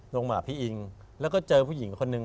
หมาพี่อิงแล้วก็เจอผู้หญิงคนหนึ่ง